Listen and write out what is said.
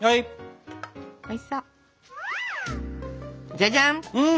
じゃじゃん！